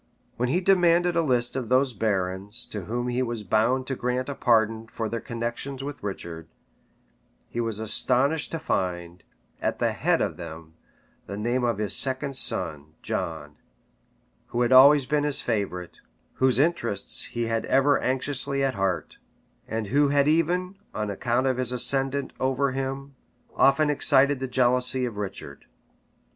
When he demanded a list of those barons to whom he was bound to grant a pardon for their connections with Richard, he was astonished to find, at the head of them, the name of his second son, John; who had always been his favorite, whose interests he had ever anxiously at heart, and who had even, on account of his ascendant over him, often excited the jealousy of Richard.